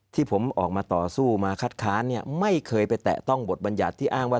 ที่ผมออกมาต่อสู้มาคัดค้านเนี่ยไม่เคยไปแตะต้องบทบัญญัติที่อ้างว่า